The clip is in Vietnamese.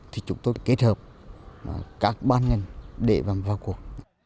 thì chúng tôi kết hợp các ban ngành để vào cuộc